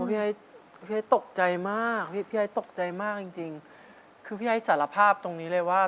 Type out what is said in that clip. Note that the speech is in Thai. พี่ไอ้พี่ไอ้ตกใจมากพี่ไอ้ตกใจมากจริงจริงคือพี่ไอ้สารภาพตรงนี้เลยว่า